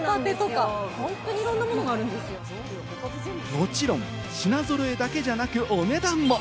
もちろん品揃えだけじゃなく、お値段も。